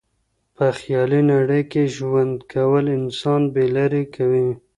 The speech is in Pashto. په خيالي نړۍ کي ژوند کول انسان بې لاري کوي.